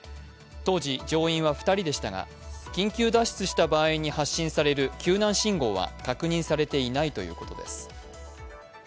当時、乗員は２人でしたが緊急脱出した場合に発信される救難信号は確認されていないということです。